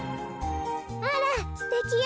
あらすてきよ